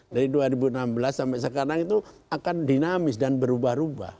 dari dua ribu enam belas sampai sekarang itu akan dinamis dan berubah ubah